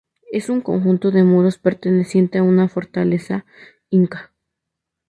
Es un conjunto de muros perteneciente a una fortaleza Inca.